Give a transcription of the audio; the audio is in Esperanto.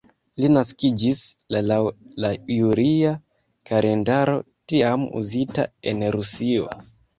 Li naskiĝis la laŭ la julia kalendaro tiam uzita en Rusio.